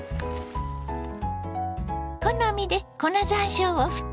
好みで粉ざんしょうをふってね。